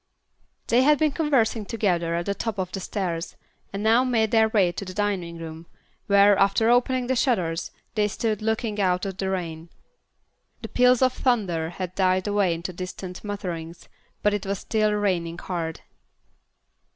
They had been conversing together at the top of the stairs, and now made their way to the dining room, where, after opening the shutters, they stood looking out at the rain. The peals of thunder had died away into distant mutterings, but it was still raining hard.